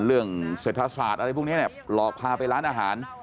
เรื่องเศรษฐศาสตร์อะไรพวกนี้เนี่ยหลอกพาไปร้านอาหาร